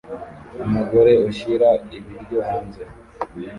Umugore ushyira ibiryo hanze